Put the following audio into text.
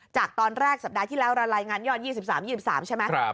จากตอนแรกสัปดาห์ที่แล้วเรารายงานยอด๒๓๒๓ใช่ไหม